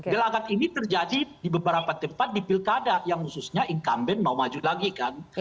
gelagat ini terjadi di beberapa tempat di pilkada yang khususnya incumbent mau maju lagi kan